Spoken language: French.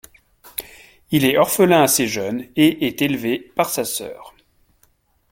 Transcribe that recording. Il est orphelin assez jeune, et est élevé par sa soeur.